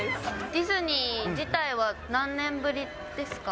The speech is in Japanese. ディズニー自体は何年ぶりですか？